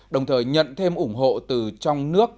đồng thời nhận thêm ủng hộ từ trong nước